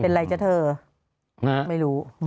เป็นอะไรจ๊ะเธอไม่รู้